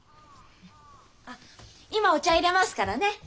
あっ今お茶いれますからね。